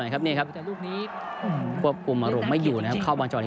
กับกลุ่มหลงไม่อยู่นะครับเข้าบางจอดเหี้ย